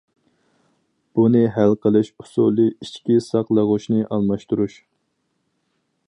بۇنى ھەل قىلىش ئۇسۇلى ئىچكى ساقلىغۇچنى ئالماشتۇرۇش.